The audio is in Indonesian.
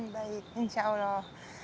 baik insya allah